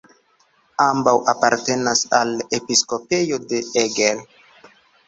Ambaŭ apartenis al episkopejo de Eger.